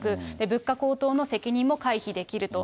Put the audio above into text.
物価高騰の責任も回避できると。